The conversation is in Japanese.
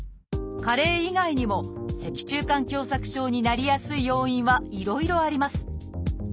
加齢以外にも脊柱管狭窄症になりやすい要因はいろいろあります。